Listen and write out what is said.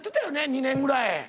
２年ぐらい。